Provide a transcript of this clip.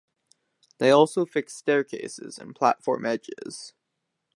They also fixed staircases and platform edges.